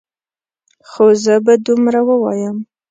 خو زه به دومره ووایم.